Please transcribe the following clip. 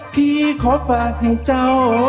พี่ขอฝากให้เจ้า